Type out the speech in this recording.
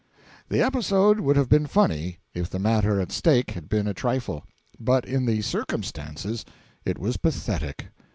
The episode would have been funny if the matter at stake had been a trifle; but in the circumstances it was pathetic.